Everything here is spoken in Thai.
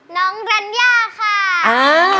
น้องรัญญาค่ะ